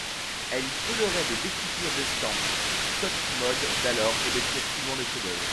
Elle y colorait des découpures d'estampes (sotte mode d'alors pour détruire souvent des chefs-d'oeuvre).